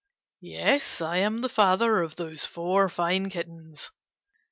Yes, I am the father of those four fine kittens.